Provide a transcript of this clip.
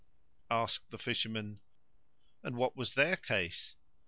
"[FN#101] Asked the Fisherman, "And what was their case?"